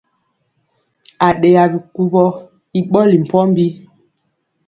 Aɗeya bikuwɔ i ɓɔli mpɔmbi.